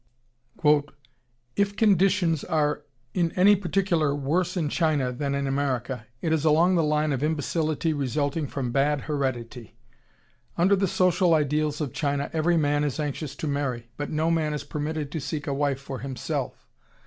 "If conditions are in any particular worse in China than in America, it is along the line of imbecility resulting from bad heredity. Under the social ideals of China every man is anxious to marry, but no man is permitted to seek a wife for himself.